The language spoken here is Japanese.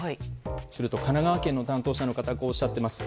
すると神奈川県の担当者の方はこうおっしゃっています。